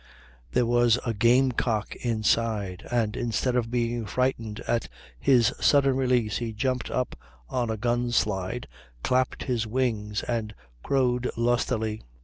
There was a game cock inside, and, instead of being frightened at his sudden release, he jumped up on a gun slide, clapped his wings, and crowed lustily.